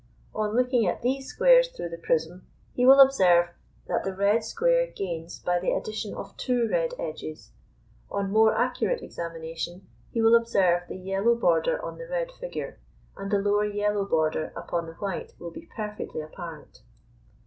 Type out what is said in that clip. On looking at these squares through the prism, he will observe that the red square gains by the addition of two red edges; on more accurate examination he will observe the yellow border on the red figure, and the lower yellow border upon the white will be perfectly apparent.